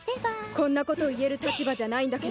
こんな事を言える立場じゃないんだけど。